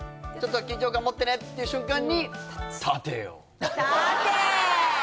ちょっと緊張感持ってねっていう瞬間に立て！